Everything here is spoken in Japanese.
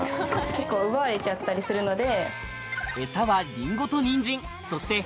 結構奪われちゃったりするので。